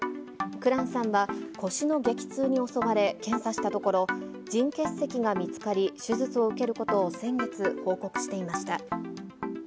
紅蘭さんは腰の激痛に襲われ検査したところ、腎結石が見つかり、手術を受けることを先月、報告していました。